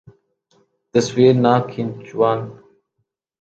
تصویر نہ کھنچوان